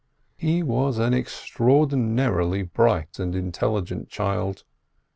He was an extraordinarily bright and intelligent child.